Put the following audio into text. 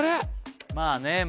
まあね